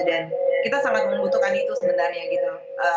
dan kita sangat membutuhkan itu sebenarnya gitu